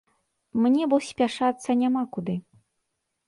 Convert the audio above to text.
Мне бо спяшацца няма куды.